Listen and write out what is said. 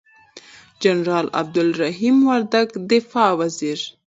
جنرال عبدالرحیم وردگ دفاع وزیر،